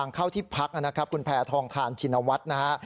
เข้าที่พักนะครับคุณแพทองทานชินวัฒน์นะฮะ